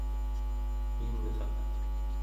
yinraq